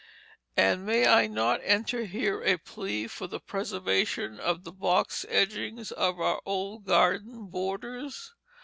And may I not enter here a plea for the preservation of the box edgings of our old garden borders?